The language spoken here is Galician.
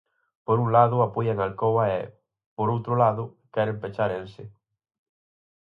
Por un lado apoian a Alcoa e, por outro lado, queren pechar Ence.